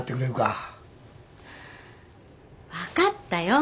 分かったよ。